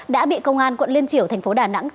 đã bị công an quận liên triểu thành phố đà nẵng xử lý